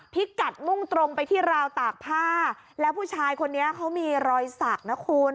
พิกัดมุ่งตรงไปที่ราวตากผ้าแล้วผู้ชายคนนี้เขามีรอยสักนะคุณ